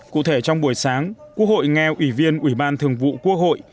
cụ thể trong buổi sáng quốc hội nghe ủy viên ủy ban thường vụ quốc hội